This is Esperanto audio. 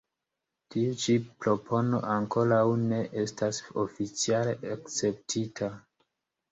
Tiu ĉi propono ankoraŭ ne estas oficiale akceptita.